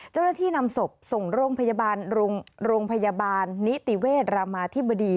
เจ้าหน้าที่นำศพส่งโรงพยาบาลโรงพยาบาลนิติเวชรามาธิบดี